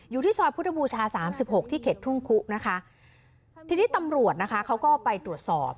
อยู่ที่ซอยพุทธบูชาสามสิบหกที่เข็ดทุ่งคุนะคะทีนี้ตำรวจนะคะเขาก็ไปตรวจสอบ